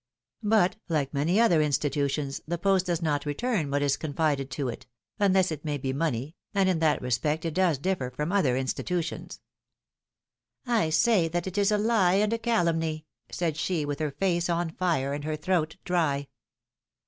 But, like many other institutions, the post does not return what is confided to it — unless it may be money — and in that respect it does differ from other institutions. I say that it is a lie and a calumny,^^ said she, with her face on fire, and her throat dry.